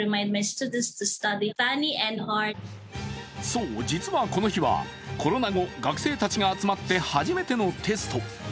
そう、実はこの日はコロナ後、学生たちが集まって初めてのテスト。